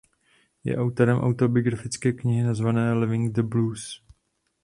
Je autorem autobiografické knihy nazvané "Living the Blues".